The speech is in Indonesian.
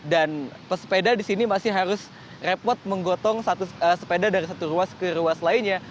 dan pesepeda di sini masih harus repot menggotong sepeda dari satu ruas ke ruas lainnya